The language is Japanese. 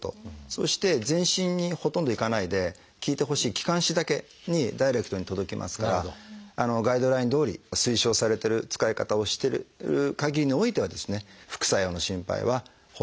そして全身にほとんど行かないで効いてほしい気管支だけにダイレクトに届きますからあのガイドラインどおり推奨されてる使い方をしてるかぎりにおいてはですね副作用の心配はほとんどない。